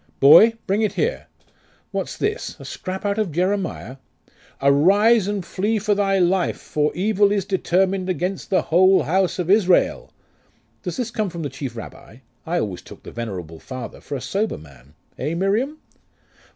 Boy, bring it here....What's this? A scrap out of Jeremiah? "Arise, and flee for thy life, for evil is determined against the whole house of Israel!" Does this come from the chief rabbi; I always took the venerable father for a sober man.... Eh, Miriam?